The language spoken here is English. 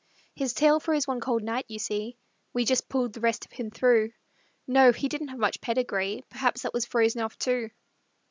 His tail froze one cold night, you see; We just pulled the rest of him through. No he didn't have much pedigree Perhaps that was frozen off, too.